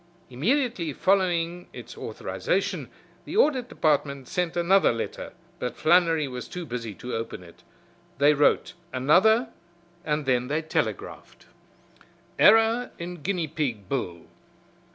Immediately following its authorization the Audit Department sent another letter, but Flannery was too busy to open it. They wrote another and then they telegraphed: "Error in guinea pig bill.